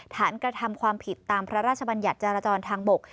ฐานกระทำความผิดตามพระราชบัญญัติจรจรทางบก